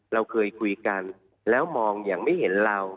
เราเคยคุยกันแล้วมองอย่างไม่เห็นเรา